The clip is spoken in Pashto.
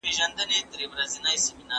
هيڅکله د غچ اخيستلو په لټه کې مه اوسئ.